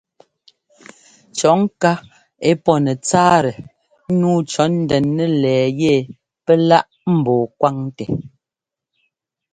Cɔ̌ ŋká ɛ́ pɔ́ nɛtsáatɛ nǔu cɔ̌ ndɛn nɛlɛɛ yɛ pɛ́ láꞌ ḿbɔɔ kwáŋtɛ.